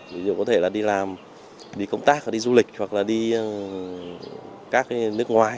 vì có thể là đi làm đi công tác đi du lịch hoặc là đi các nước ngoài